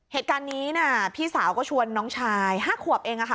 เหตุการณ์นี้พี่สาวก็ชวนน้องชาย๕ขวบเอง